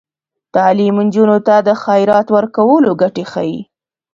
تعلیم نجونو ته د خیرات ورکولو ګټې ښيي.